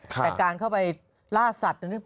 แต่การเข้าไปล่าสัตว์